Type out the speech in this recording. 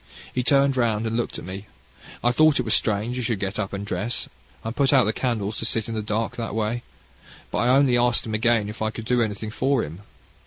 He turned round and looked at me. I thought it strange he should get up and dress, and put out the candles to sit in the dark, that way. But I only asked him again if I could do anything for him.